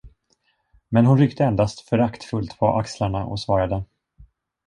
Men hon ryckte endast föraktfullt på axlarna och svarade.